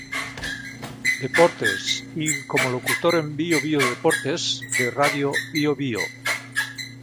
Deportes, y como locutor en "Bío-Bío deportes" de Radio Bío-Bío.